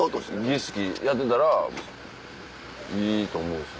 儀式やってたらいいと思うんです。